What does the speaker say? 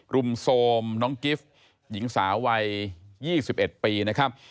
รุมโทรมน้องกิฟต์หญิงสาววัย๒๑ปีนะครับ